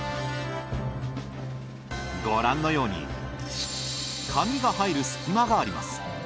ご覧のように紙が入る隙間があります。